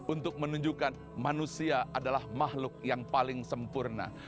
untuk menunjukkan manusia adalah makhluk yang paling sempurna